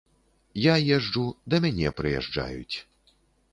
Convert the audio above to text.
Я езджу, да мяне прыязджаюць.